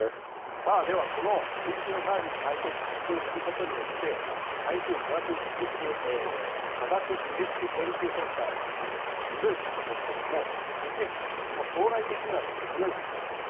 ではこの水中のタービンが回転し発電することによって台風科学技術研究センターの満行さんですが将来的にはこのように話しています。